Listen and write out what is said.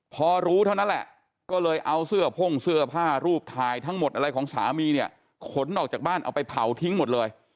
พอรู้เท่านั้นแหละก็เลยเอาเสื้อพ่งเสื้อผ้ารูปถ่ายทั้งหมดอะไรของสามีเนี่ยขนออกจากบ้านเอาไปเผาทิ้งหมดเลย